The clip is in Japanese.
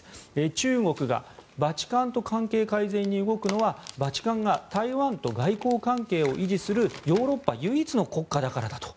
中国がバチカンと関係改善に動くのはバチカンが台湾と外交関係を維持するヨーロッパ唯一の国家だからだと。